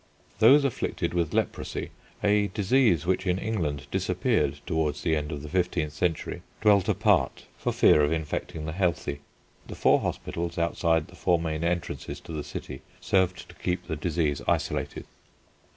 Those afflicted with leprosy, a disease which in England disappeared toward the end of the fifteenth century, dwelt apart for fear of infecting the healthy. The four hospitals outside the four main entrances to the city served to keep the disease isolated.